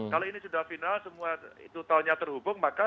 kalau ini sudah final semua totalnya terhubung